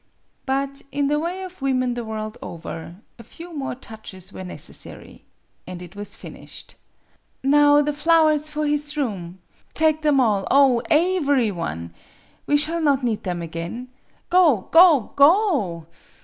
But in the way of women the world over a few more touches were necessary and it was finished. " Now the flowers for his room ! Take them all oh, aevery one! We shall not 72 MADAME BUTTERFLY need them again. Go go go!